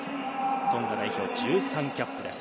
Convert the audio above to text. トンガ代表１３キャップです。